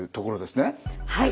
はい。